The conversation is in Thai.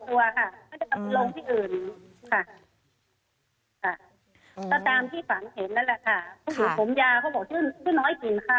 ก็ตามที่ฝันเห็นนั่นแหละค่ะคุณผู้ถูกผมยาเขาบอกคุณน้อยกินคำ